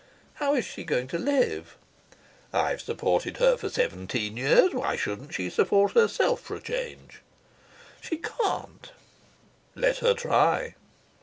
"How is she going to live?" "I've supported her for seventeen years. Why shouldn't she support herself for a change?" "She can't." "Let her try."